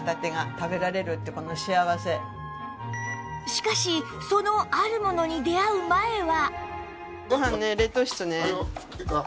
しかしそのあるものに出会う前は